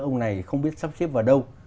ông này không biết sắp xếp vào đâu